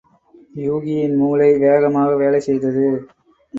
யூகியின் மூளை வேகமாக் வேலை செய்தது.